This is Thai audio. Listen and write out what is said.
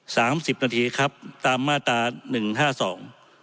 สามสิบนาทีครับตามมาตราหนึ่งห้าสอง